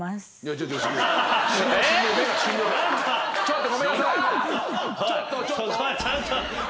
ちょっとちょっと。